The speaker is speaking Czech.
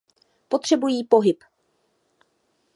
Potřebují pohyb.